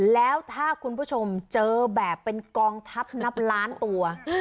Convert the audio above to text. แล้วถ้าคุณผู้ชมเจอแบบเป็นกองทัพนับล้านตัว